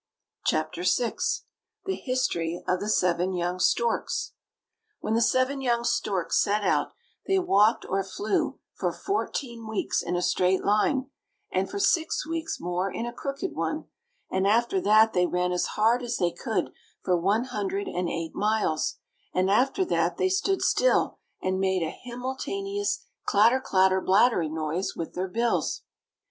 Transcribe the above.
CHAPTER VI THE HISTORY OF THE SEVEN YOUNG STORKS When the seven young storks set out, they walked or flew for fourteen weeks in a straight line, and for six weeks more in a crooked one; and after that they ran as hard as they could for one hundred and eight miles; and after that they stood still, and made a himmeltanious chatter clatter blattery noise with their bills.